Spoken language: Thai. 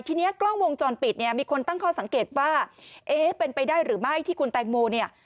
ทีนี้กล้องวงจรปิดเนี่ยมีคนตั้งข้อสังเกตว่าเอ๊ะเป็นไปได้หรือไม่ที่คุณแตงโมเนี่ย